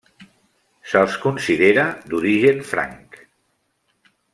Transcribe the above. Se'ls considera d'origen franc.